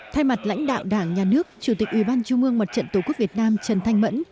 thay mặt lãnh đạo đảng nhà nước chủ tịch ủy ban trung ương mặt trận tổ quốc việt nam trần thanh mẫn